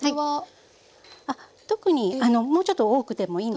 特にもうちょっと多くてもいいんですが。